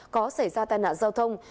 đã xảy ra tai nạn giao thông